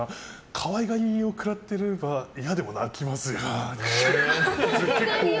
かわいがりをくらってれば嫌でも泣きますよね。